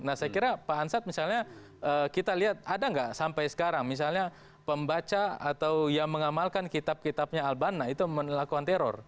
nah saya kira pak ansat misalnya kita lihat ada nggak sampai sekarang misalnya pembaca atau yang mengamalkan kitab kitabnya albana itu melakukan teror